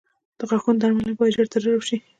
د غاښونو درملنه باید ژر تر ژره وشي.